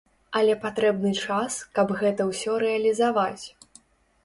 Але патрэбны час, каб гэта ўсё рэалізаваць.